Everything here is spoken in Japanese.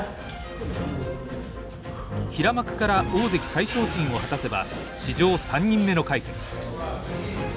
平幕から大関再昇進を果たせば史上３人目の快挙。